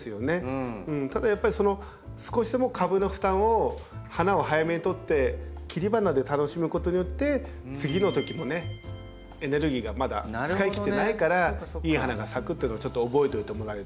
ただやっぱり少しでも株の負担を花を早めに取って切り花で楽しむことによって次のときもねエネルギーがまだ使い切ってないからいい花が咲くというのをちょっと覚えておいてもらえると。